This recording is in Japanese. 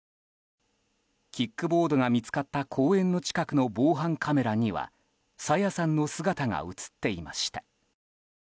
キックボードが見つかった公園の近くの防犯カメラには朝芽さんの姿が映っていました。